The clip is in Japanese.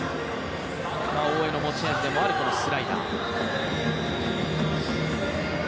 大江の持ち味でもあるスライダー。